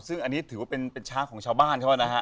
ซึ่งอันนี้ถือว่าเป็นช้างของชาวบ้านเขานะฮะ